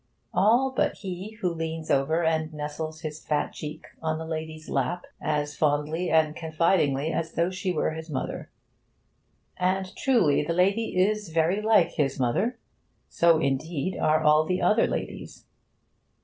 All but he who leans over and nestles his fat cheek on a lady's lap, as fondly and confidingly as though she were his mother... And truly, the lady is very like his mother. So, indeed, are all the other ladies.